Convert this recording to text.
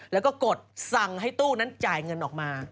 แล้วก็กดสั่งให้ตู้นั้นจ่ายเงินออกมา